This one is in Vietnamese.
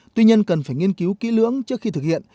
tuy nhiên cần phải nghiên cứu kỹ lưỡng trước khi thực hiện